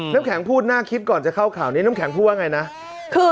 น้ำแข็งพูดน่าคิดก่อนจะเข้าข่าวนี้น้ำแข็งพูดว่าไงนะ